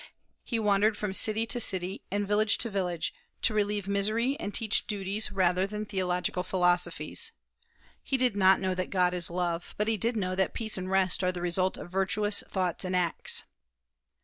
He wandered from city to city and village to village to relieve misery and teach duties rather than theological philosophies. He did not know that God is love, but he did know that peace and rest are the result of virtuous thoughts and acts.